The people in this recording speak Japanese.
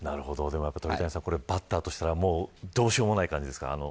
鳥谷さん、バッターとしたらどうしようもない感じですか。